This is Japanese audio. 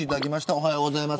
おはようございます。